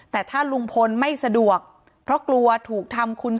แต่ถ้าลุงพลไม่สะดวกเพราะกลัวถูกทำคุณ